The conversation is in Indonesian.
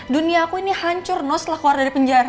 dunia aku ini hancur no setelah keluar dari penjara